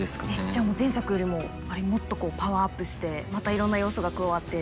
じゃあもう前作よりももっとパワーアップしてまたいろんな要素が加わって。